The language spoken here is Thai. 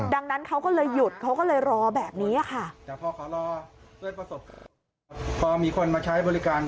ดังนั้นเขาก็เลยหยุดเขาก็เลยรอแบบนี้ค่ะ